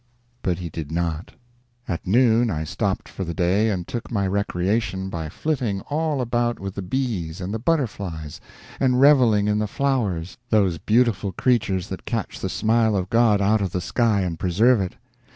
But he did not. At noon I stopped for the day and took my recreation by flitting all about with the bees and the butterflies and reveling in the flowers, those beautiful creatures that catch the smile of God out of the sky and preserve it!